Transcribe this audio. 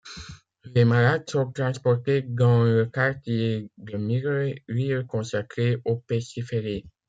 Les malades sont transportés dans le quartier de Mireuil, lieu consacré aux pestiférés.